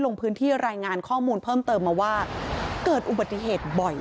ลงพื้นที่รายงานข้อมูลเพิ่มเติมมาว่าเกิดอุบัติเหตุบ่อย